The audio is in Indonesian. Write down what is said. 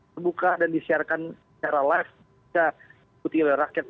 terbuka dan disiarkan secara live bisa diikuti oleh rakyat